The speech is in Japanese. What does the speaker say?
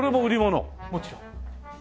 もちろん。